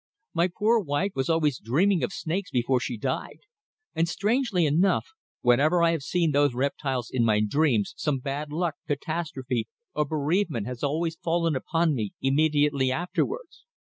My poor wife was always dreaming of snakes before she died, and strangely enough, whenever I have seen those reptiles in my dreams some bad luck, catastrophe or bereavement has always fallen upon me immediately afterwards."